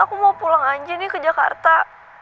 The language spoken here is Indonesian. aku mau pulang aja nih ke jakarta